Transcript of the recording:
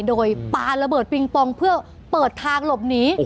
โดยปาระเบิดปิงปองเพื่อเปิดทางหลบหนี